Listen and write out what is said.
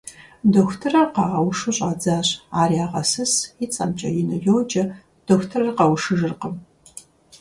Дохутырыр къагъэушу щӀадзащ, ар ягъэсыс, и цӀэмкӀэ ину йоджэ, дохутырыр къэушыжыркъым.